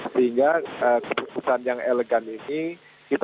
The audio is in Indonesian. sehingga keputusan yang elegan ini kita